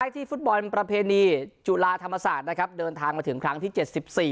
ที่ฟุตบอลประเพณีจุฬาธรรมศาสตร์นะครับเดินทางมาถึงครั้งที่๗๔